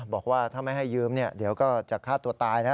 บอกว่าถ้าไม่ให้ยืมเดี๋ยวก็จะฆ่าตัวตายนะ